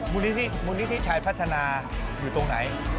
มูลนิธิชายพัฒนาอยู่ตรงไหน